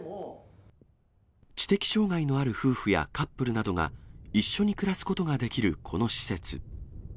知的障害のある夫婦やカップルなどが、一緒に暮らすことができるこの施設。